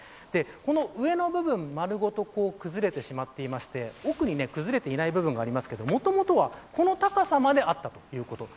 この上の部分丸ごと崩れてしまっていまして奥に崩れていない部分がありますけど、もともとはこの高さまであったということ。